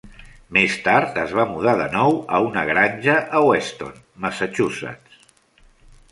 Més tard es va mudar de nou a una granja a Weston, Massachusetts.